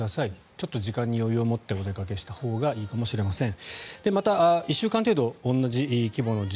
ちょっと時間に余裕を持ってお出かけしたほうがいいかもしれません。